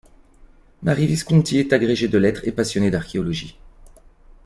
Marie Visconti est agrégée de lettres et passionnée d'archéologie.